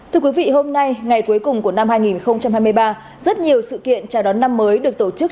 thưa quý vị hôm nay ngày cuối cùng của năm hai nghìn hai mươi ba rất nhiều sự kiện chào đón năm mới được tổ chức